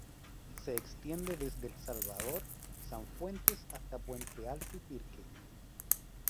Se extiende desde Salvador Sanfuentes hasta Puente Alto y Pirque.